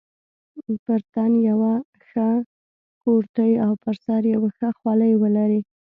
پر تن یوه ښه کورتۍ او پر سر یوه ښه خولۍ ولري.